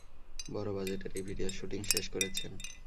বড় বাজেটের এই ভিডিওর শুটিং শেষ করেছেন।